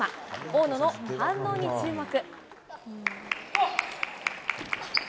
大野の反応に注目。